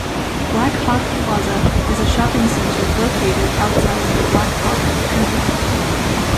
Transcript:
Blackhawk Plaza is a shopping center located outside the Blackhawk Country Club.